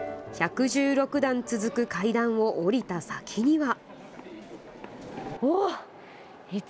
１１６段続く階段を降りた先には。